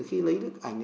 khi lấy đức ảnh